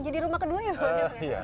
jadi rumah kedua ya pak